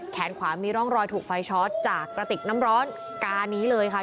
ขวามีร่องรอยถูกไฟช็อตจากกระติกน้ำร้อนกานี้เลยค่ะ